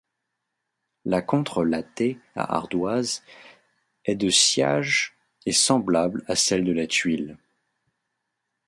La contre-latte à ardoise est de sciage et semblable à celle de la tuile.